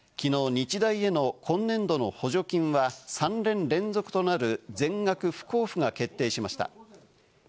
日大への今年度の補助金は３年連続となる全額不交付が決定しました。